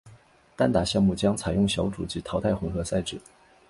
单打项目将采用小组及淘汰混合赛制。